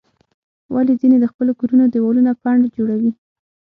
ولې ځینې د خپلو کورونو دیوالونه پنډ جوړوي؟